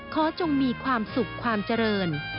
จงมีความสุขความเจริญ